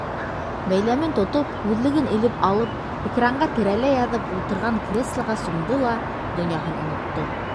Бәйләмен тотоп, күҙлеген элеп алып, экранға терәлә яҙып ултырған креслоға сумды ла, донъяһын онотто.